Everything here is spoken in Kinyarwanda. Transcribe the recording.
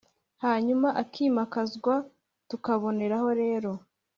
hanyuma akimakazwa, tukaboneraho rero